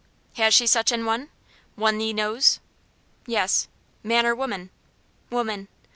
"Has she such an one? One thee knows?" "Yes." "Man or woman?" "Woman."